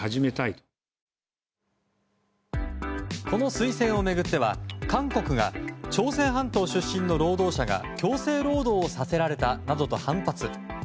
この推薦を巡っては韓国が、朝鮮半島出身の労働者が強制労働をさせられたなどと反発。